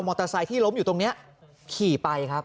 เตอร์ไซค์ที่ล้มอยู่ตรงนี้ขี่ไปครับ